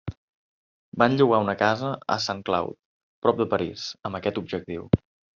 Van llogar una casa a Saint-Cloud, prop de París, amb aquest objectiu.